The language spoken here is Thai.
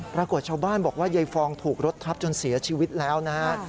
ปรากฏชาวบ้านบอกว่ายายฟองถูกรถทับจนเสียชีวิตแล้วนะฮะ